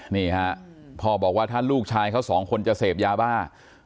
นี่ค่ะถ้าลูกนัยสองคนจะเสพยาบ้า